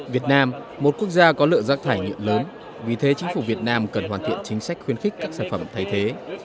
việt nam một quốc gia có lượng rác thải nhựa lớn vì thế chính phủ việt nam cần hoàn thiện chính sách khuyến khích các sản phẩm thay thế